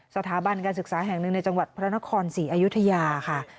สถาบันการศึกษาแห่งหนึ่งในจังหวัดพระนครศรีอยุธยาค่ะ